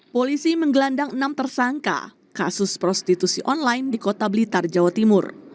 polisi menggelandang enam tersangka kasus prostitusi online di kota blitar jawa timur